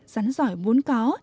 rắn giỏi vốn có